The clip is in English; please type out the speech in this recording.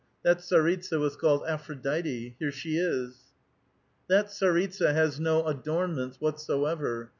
That tsaritsa was called Aphrodite. Here she is." That tsaritsa has no adornments whatsoever.